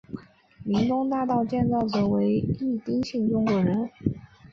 林东大楼建造者为一丁姓中国人。